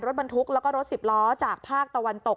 รถบันทุกข์และรถสิบล้อจากภาคตะวันตก